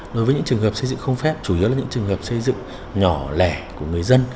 đối với những trường hợp xây dựng không phép chủ yếu là những trường hợp xây dựng nhỏ lẻ của người dân